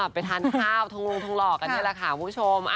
เราไปทานข้าวทั้งรูปทั้งหลอกกันเนี่ยแหละค่ะคุณผู้ชม